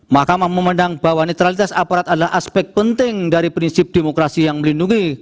mahkamah memandang bahwa netralitas aparat adalah aspek penting dari prinsip demokrasi yang melindungi